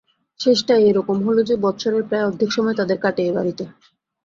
শেষটায় এ রকম হল যে, বৎসরের প্রায় অর্ধেক সময় তাদের কাটে এই বাড়িতে।